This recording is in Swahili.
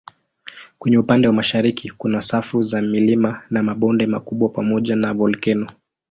Kwenye upande wa mashariki kuna safu za milima na mabonde makubwa pamoja na volkeno.